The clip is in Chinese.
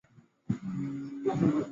双牌县是一个重要林区。